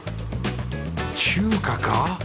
中華か？